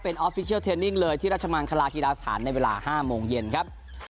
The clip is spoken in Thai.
ออฟฟิเชียลเทนนิ่งเลยที่ราชมังคลาฮีลาสถานในเวลา๕โมงเย็นครับ